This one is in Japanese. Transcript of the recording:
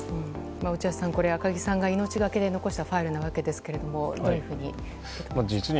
落合さん、赤木さんが命がけで残したファイルですがどういうふうに。